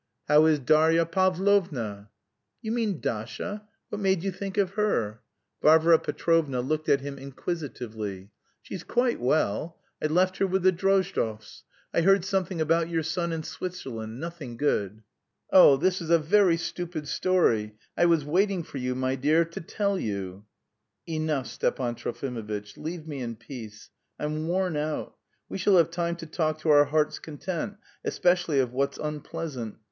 "How is Darya Pavlovna?" "You mean Dasha? What made you think of her?" Varvara Petrovna looked at him inquisitively. "She's quite well. I left her with the Drozdovs. I heard something about your son in Switzerland. Nothing good." "Oh, c'est un histoire bien bête! Je vous attendais, ma bonne amie, pour vous raconter..." "Enough, Stepan Trofimovitch. Leave me in peace. I'm worn out. We shall have time to talk to our heart's content, especially of what's unpleasant.